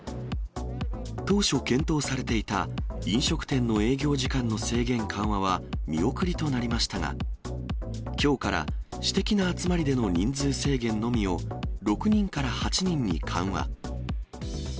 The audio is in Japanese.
当初、検討されていた飲食店の営業時間の制限緩和は見送りとなりましたが、きょうから、私的な集まりでの人数制限のみを、６人から８人に緩和。